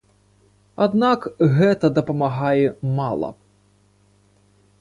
Аднак, гэта дапамагае мала.